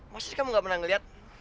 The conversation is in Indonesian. maksudnya kamu gak pernah ngeliat